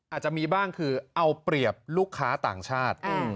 อาจจะมีบ้างคือเอาเปรียบลูกค้าต่างชาติ